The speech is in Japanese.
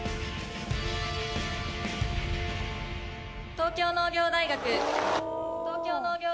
東京農業大学。